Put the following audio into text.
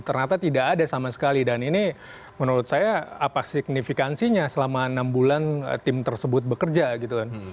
ternyata tidak ada sama sekali dan ini menurut saya apa signifikansinya selama enam bulan tim tersebut bekerja gitu kan